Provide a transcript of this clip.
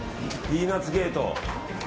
ピーナツゲート。